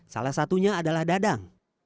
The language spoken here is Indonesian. salah satunya adalah dadang